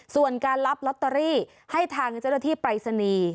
ส่วนการรับลอตเตอรี่ให้ทางเจ้าหน้าที่ปรายศนีย์